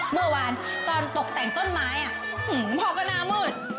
เมื่อวานตอนตกแต่งต้นไม้พ่อก็หน้ามืด